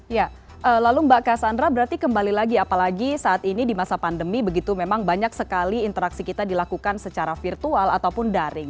ya lalu mbak cassandra berarti kembali lagi apalagi saat ini di masa pandemi begitu memang banyak sekali interaksi kita dilakukan secara virtual ataupun daring